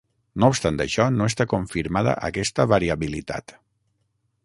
No obstant això, no està confirmada aquesta variabilitat.